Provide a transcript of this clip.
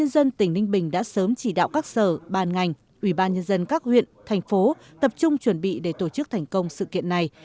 dân tỉnh ninh bình đã sớm chỉ đạo các sở ban ngành ủy ban nhân dân các huyện thành phố tập trung chuẩn bị để tổ chức thành công sự kiện này